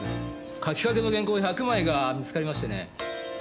書きかけの原稿１００枚が見つかりましてね。